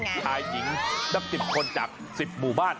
ชายหญิงนับ๑๐คนจาก๑๐หมู่บ้าน